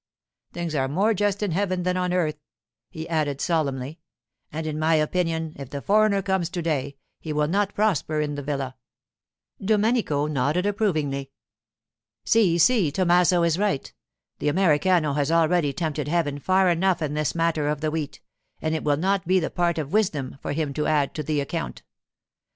Things are more just in heaven than on earth,' he added solemnly; 'and in my opinion, if the foreigner comes to day, he will not prosper in the villa.' Domenico nodded approvingly. 'Si, si, Tommaso is right. The Americano has already tempted heaven far enough in this matter of the wheat, and it will not be the part of wisdom for him to add to the account.